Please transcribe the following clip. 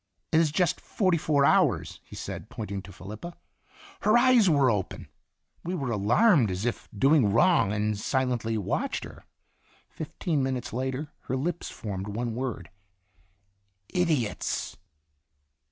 "It is just forty four hours!" he said, pointing to Felipa. Her eyes were open ! We were alarmed as if doing wrong and silently watched her. Fif teen minutes later her lips formed one word: "Idiots!"